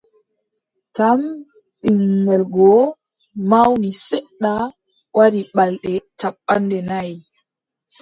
Jam ɓiŋngel goo mawni seeɗa, waɗi balɗe cappanɗe nayi.